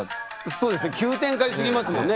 そうですね急展開すぎますもんね。